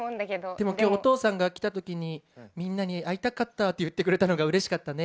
でも今日お父さんが来たときに「みんなに会いたかった」って言ってくれたのがうれしかったね。